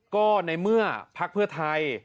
ก็ในเมื่อพักเพื่อไทย